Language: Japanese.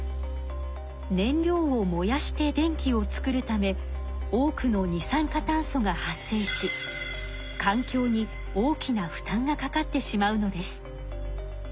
燃料を燃やして電気を作るため多くの二酸化炭素が発生し環境に大きな負担がかかってしまうのです。